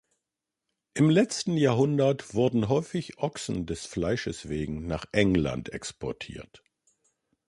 Im letzten Jahrhundert wurden häufig Ochsen des Fleisches wegen nach England exportiert.